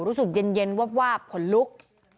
รู้สึกเย็นวาบขนลุก